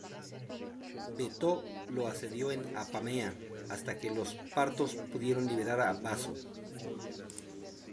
Veto lo asedió en Apamea hasta que los partos pudieron liberar a Baso.